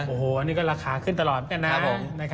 โอ้โฮนี่ก็ราคาขึ้นตลอดเนี่ยนะ